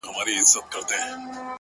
• د سکريټو آخيري قطۍ ده پاته؛